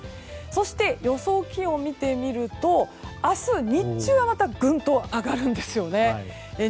そして、予想気温を見てみると明日に日中はぐんと上がるんです。